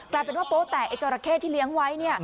กลายเป็นว่าโป๊แตกไอจอราเข้ที่เลี้ยงไว้